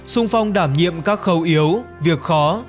xung phong đảm nhiệm các khâu yếu việc khó